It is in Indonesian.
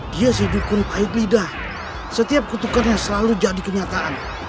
dia si dukun aib lidah setiap kutukannya selalu jadi kenyataan